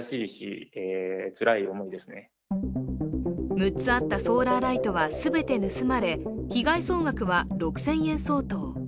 ６０あったソーラーライトは全て盗まれ被害総額は６０００円相当。